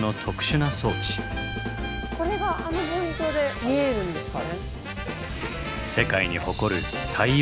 これがあの望遠鏡で見えるんですね。